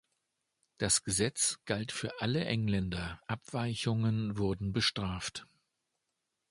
Das Gesetz galt für alle Engländer, Abweichungen wurden bestraft.